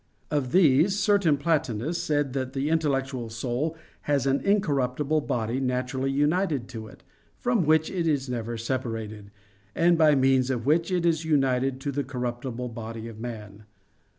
Of these certain Platonists said that the intellectual soul has an incorruptible body naturally united to it, from which it is never separated, and by means of which it is united to the corruptible body of man.